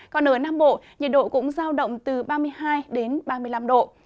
còn ở nam bộ nhiệt độ cũng giao động từ ba mươi hai đến ba mươi năm độ